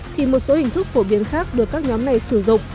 thì một số hình thức phổ biến khác được các nhóm này sử dụng